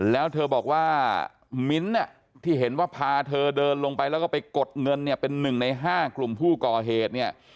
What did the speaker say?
แล้วเธอบอกว่ามิ้นท์ที่เห็นว่าพาเธอเดินลงไปแล้วก็ไปกดเงินเนี่ยเป็น๑ใน๕กลุ่มผู้ก่อเหตุเนี่ย